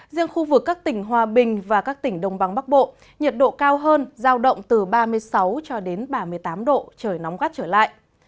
riêng khu vực các tỉnh hòa bình và các tỉnh đông vắng bắc bộ nhiệt độ cao hơn giao động từ ba mươi sáu cho đến ba mươi tám độ trời nóng gắt trở lại